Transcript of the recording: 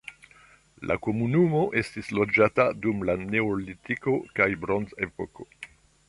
La komunumo estis loĝata dum la neolitiko kaj bronzepoko.